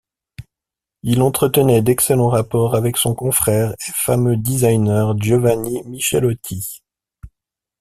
Il entretenait d'excellents rapports avec son confrère et fameux designer Giovanni Michelotti.